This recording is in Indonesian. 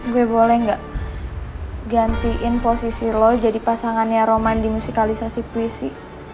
gue boleh gak gantiin posisi lo jadi pasangannya roman di musikalisasi puisi